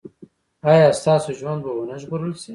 ایا ستاسو ژوند به و نه ژغورل شي؟